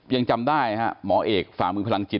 ยังจำได้ฮะหมอเอกฝ่ามือพลังจิต